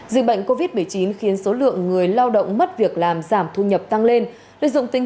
dịch bệnh covid một mươi chín khiến số lượng người lao động mất việc làm giảm thu nhập tăng lên lợi dụng tình